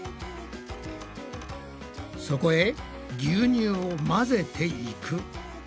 そこへ牛乳を混ぜていく。